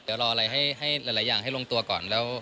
เดี๋ยวรออะไรให้หลายอย่างให้ลงตัวก่อน